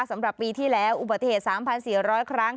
สำหรับปีที่แล้วอุบัติเหตุ๓๔๐๐ครั้ง